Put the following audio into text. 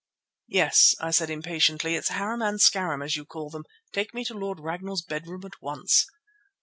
"Yes," I said impatiently, "it's Harum and Scarum as you call them. Take me to Lord Ragnall's bedroom at once."